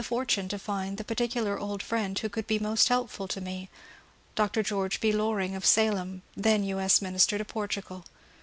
DEATH OF BROWNING 433 particular old friend who oould be most helpful to me, — Dr. George B. Loring of Salem, then U. S. Minister to Portugal.